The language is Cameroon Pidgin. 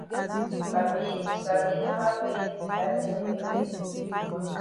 Papi sabi how wey dat tin dem dey.